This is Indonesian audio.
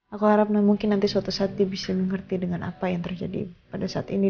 aku harap mungkin nanti suatu saat dia bisa mengerti dengan apa yang terjadi pada saat ini